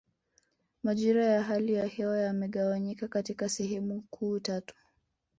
Majira ya hali ya hewa yamegawanyika katika sehemu kuu tatu